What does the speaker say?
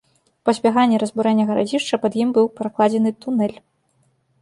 У пазбяганне разбурэння гарадзішча пад ім быў пракладзены тунэль.